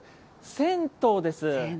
銭湯です。